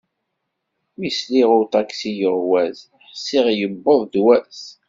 Mi sliɣ i uṭaksi yuɣwas, ḥṣiɣ yewweḍ-d wass.